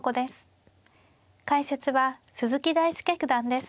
解説は鈴木大介九段です。